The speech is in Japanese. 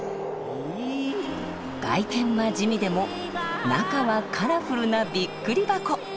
外見は地味でも中はカラフルなびっくり箱。